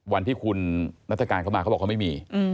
วันที่คุณนัฐกาลเขามาเขาบอกเขาไม่มี